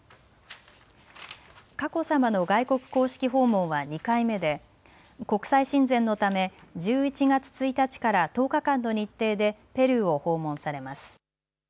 佳子さまの外国公式訪問は２回目で国際親善のため１１月１日から１０日間の日程でペルーを訪問されます。